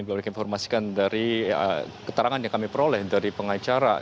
belum dikinformasikan dari keterangan yang kami peroleh dari pengacara